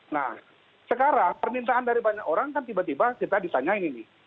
nah sekarang permintaan dari banyak orang kan tiba tiba kita ditanyain ini